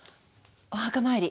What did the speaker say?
お墓参り。